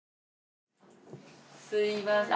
すいません。